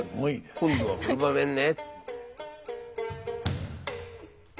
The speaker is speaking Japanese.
今度はこの場面ね！